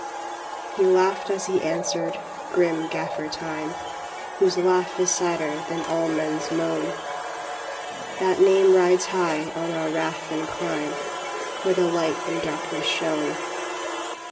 " He laughed as he answered, grim Gaffer Time, Whose laugh is sadder than all men s moan. " That name rides high on our wrath and crime, For the Light in darkness shone.